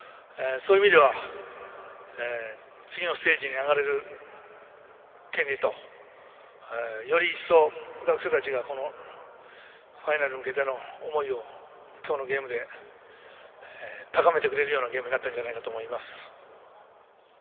そういう意味では次のステージに上がれる権利とより一層、学生たちがファイナルに向けての思いを今日のゲームで高めてくれるようなゲームになったんじゃないかと思います。